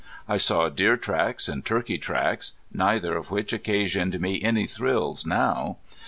I saw deer tracks and turkey tracks, neither of which occasioned me any thrills now.